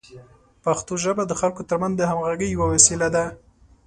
پښتو ژبه د خلکو ترمنځ د همغږۍ یوه وسیله ده.